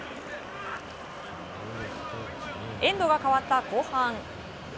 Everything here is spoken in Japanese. エンドが変わった後半。